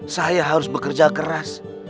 saya harus bekerja keras